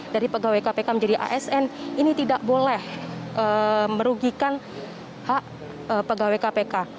dari pegawai kpk menjadi asn ini tidak boleh merugikan hak pegawai kpk